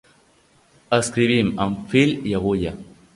Escrivim amb fil i agulla.